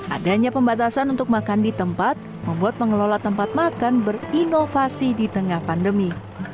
adanya pembatasan untuk makan di tempat membuat pengelola tempat makan berinovasi di tengah pandemi